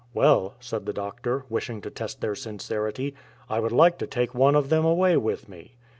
"Well," said the doctor, wishing to test their sincerity, " I would like to take one of them away with me."